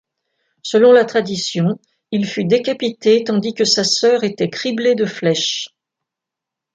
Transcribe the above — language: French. Selon la tradition, il fut décapité tandis que sa sœur était criblée de flèches.